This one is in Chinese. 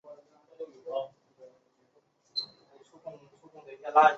冈本宽志是日本男性声优。